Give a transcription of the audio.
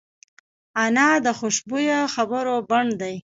انا د خوشبویه خبرو بڼ دی